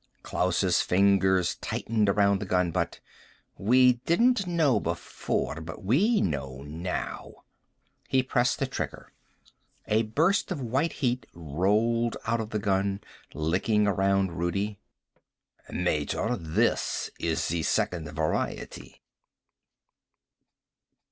Klaus' fingers tightened around the gun butt. "We didn't know before, but we know now." He pressed the trigger. A burst of white heat rolled out of the gun, licking around Rudi. "Major, this is the Second Variety."